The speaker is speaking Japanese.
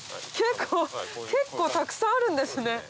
結構たくさんあるんですね。